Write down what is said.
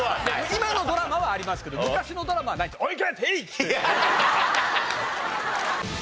今のドラマはありますけど昔のドラマはない。